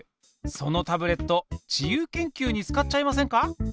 そのタブレット自由研究に使っちゃいませんか？